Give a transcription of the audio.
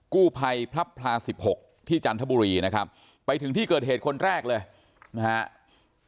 กู้ภัยพลับพลาสิบหกที่จันทบุรีนะครับไปถึงที่เกิดเหตุคนแรกเลยนะครับ